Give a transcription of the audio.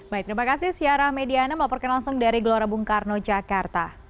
baik terima kasih siarah mediana melaporkan langsung dari gelora bung karno jakarta